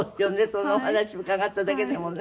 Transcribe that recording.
そのお話伺っただけでもね。